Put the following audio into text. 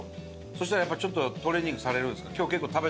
そしたらやっぱちょっとトレーニングされるんですか？